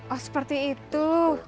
oh seperti itu